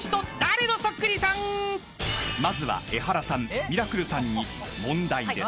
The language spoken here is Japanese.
［まずはエハラさんミラクルさんに問題です］